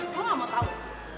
gue ga mau tau